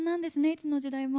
いつの時代も。